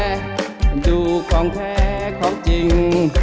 มันดูของแท้ของจริง